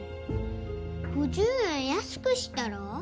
５０円安くしたら？